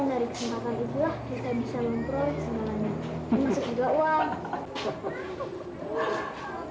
masuk juga uang